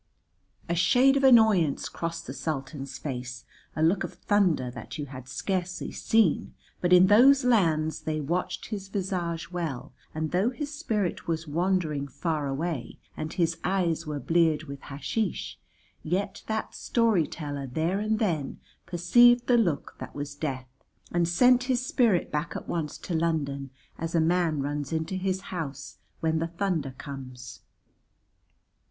A shade of annoyance crossed the Sultan's face, a look of thunder that you had scarcely seen, but in those lands they watched his visage well, and though his spirit was wandering far away and his eyes were bleared with hasheesh yet that storyteller there and then perceived the look that was death, and sent his spirit back at once to London as a man runs into his house when the thunder comes.